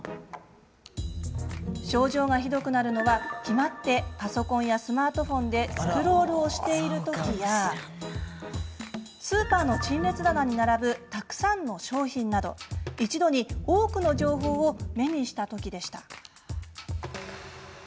症状がひどくなるのは決まってパソコンやスマートフォンでスクロールをしている時やスーパーの陳列棚に並ぶたくさんの商品など一度に多くの情報を目にした時でした。